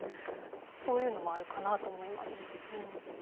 そういうのもあるかなと思います。